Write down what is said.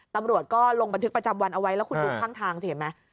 ตำรวจก็ลงบันทึกประจำวันเอาไว้แล้วคุณดูข้างทางสิเห็นไหม